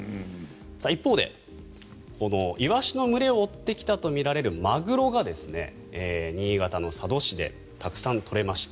一方で、イワシの群れを追ってきたとみられるマグロが新潟の佐渡市でたくさん取れました。